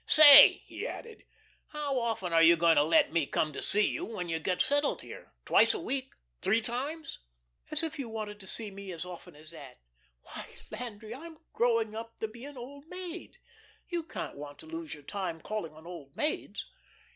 "Say," he added, "how often are you going to let me come to see you when you get settled here? Twice a week three times?" "As if you wanted to see me as often as that. Why, Landry, I'm growing up to be an old maid. You can't want to lose your time calling on old maids."